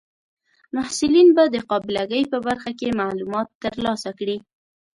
محصلین به د قابله ګۍ په برخه کې معلومات ترلاسه کړي.